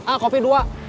ah kopi dua